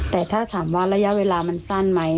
แต่ถ้าถามว่าระยะเวลามันสั้นไหม